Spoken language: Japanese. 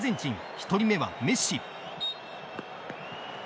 １人目はメッシ。